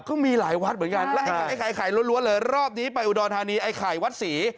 ก็มีหลายวัดเหมือนกันแล้วไอ้ไข่ล้วนเลยรอบนี้ไปอุดรธานีไอ้ไข่วัดศรี